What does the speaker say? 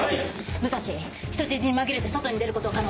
武蔵人質に紛れて外に出ることは可能？